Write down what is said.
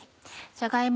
じゃが芋